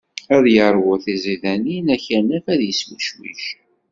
Ad yeṛwu tiẓidanin, akanaf ad yeswecwic.